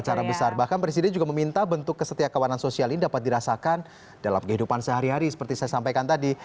secara besar bahkan presiden juga meminta bentuk kesetiakawanan sosial ini dapat dirasakan dalam kehidupan sehari hari seperti saya sampaikan tadi